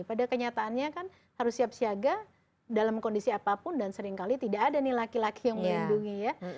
padahal kenyataannya kan harus siap siaga dalam kondisi apapun dan seringkali tidak ada nih laki laki yang melindungi ya